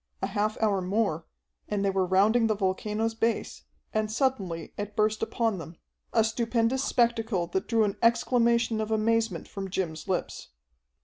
A half hour more, and they were rounding the volcano's base, and suddenly it burst upon them, a stupendous spectacle that drew an exclamation of amazement from Jim's lips.